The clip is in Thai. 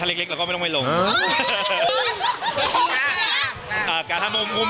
เราก็ไม่ต้องไปลงถ้าเล็กเราก็ไม่ต้องไปลง